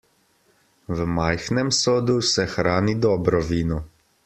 V majhnem sodu se hrani dobro vino.